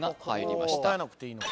答えなくていいの？